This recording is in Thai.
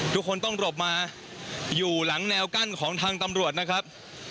ทุกคนต้องหลบมาอยู่หลังแนวกั้นของทางตำรวจนะครับ